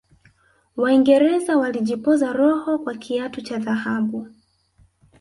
waingereza walijipoza roho kwa kiatu cha dhahabu